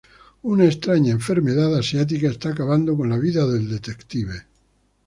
Una extraña enfermedad asiática está acabando con la vida del detective.